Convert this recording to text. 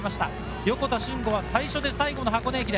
横田俊吾は最初で最後の箱根駅伝。